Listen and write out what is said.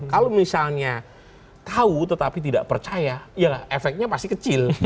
kalau misalnya tahu tetapi tidak percaya ya efeknya pasti kecil